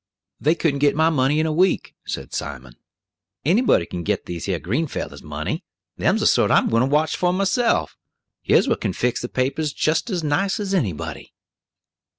"They couldn't get my money in a week," said Simon. "Anybody can git these here green feller's money; them's the sort I'm a gwine to watch for myself. Here's what kin fix the papers jist about as nice as anybody."